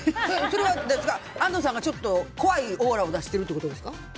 それは安藤さんがちょっと怖いオーラを出してるってことですか？